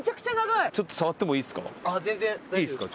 いいですか？